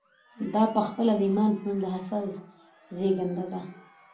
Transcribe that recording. دا پخپله د ايمان په نوم د احساس زېږنده ده.